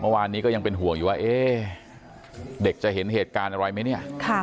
เมื่อวานนี้ก็ยังเป็นห่วงอยู่ว่าเด็กจะเห็นเหตุการณ์อะไรไหมเนี่ย